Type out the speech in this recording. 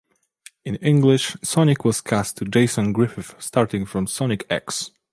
In English, Sonic was cast to Jason Griffith starting from "Sonic X".